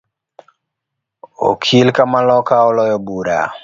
Okil kamaloka oloyo bura